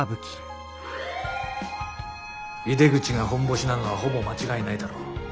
井出口がホンボシなのはほぼ間違いないだろう。